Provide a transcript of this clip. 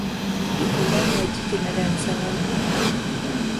Iko ndani ya jiji la Dar es Salaam.